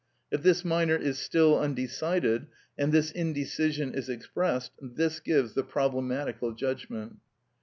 If this minor is still undecided, and this indecision is expressed, this gives the problematical judgment.